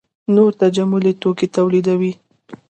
نور تجملي توکي تولیدوي.